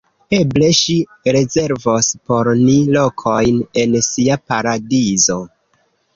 Eble ŝi rezervos por ni lokojn en sia paradizo.